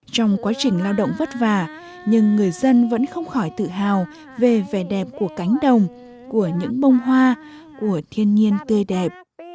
trong quá trình lao động vất vả nhưng người dân vẫn không khỏi tự hào về vẻ đẹp của cánh đồng của những bông hoa của thiên nhiên tươi đẹp